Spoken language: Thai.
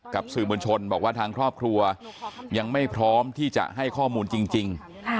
กับสื่อมวลชนบอกว่าทางครอบครัวยังไม่พร้อมที่จะให้ข้อมูลจริง